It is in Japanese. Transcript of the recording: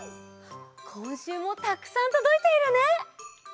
こんしゅうもたくさんとどいているね！